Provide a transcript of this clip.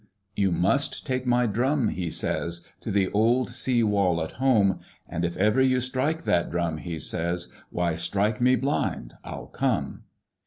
"'You must take my drum,' he says, 'To the old sea wall at home; And if ever you strike that drum,' he says, 'Why, strike me blind, I'll come!